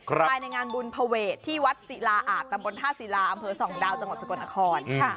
ภายในงานบุญภเวทที่วัดศิลาอาจตำบลท่าศิลาอำเภอส่องดาวจังหวัดสกลนคร